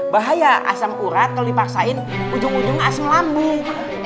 bahaya asam urat kalo dipaksain ujung ujungnya asam lambung